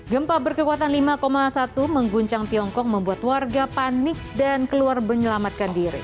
gempa berkekuatan lima satu mengguncang tiongkok membuat warga panik dan keluar menyelamatkan diri